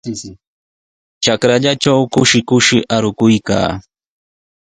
Trakrallaatraw kushi kushi arukuykaa.